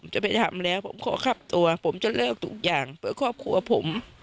จะไปทำแล้วผมขอครับตัวผมจะเลิกทุกอย่างเพื่อครอบครัวผม